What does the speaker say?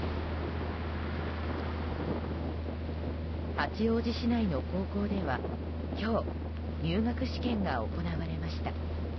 八王子市内の高校では今日、入学試験が行われました。